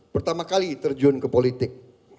pertama kali terjun ke politik